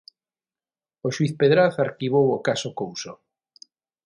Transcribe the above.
O xuíz Pedraz arquivou o caso Couso.